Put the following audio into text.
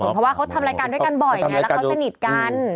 เพราะว่าเขาทำรายการด้วยกันบ่อยไงแล้วเขาสนิทกัน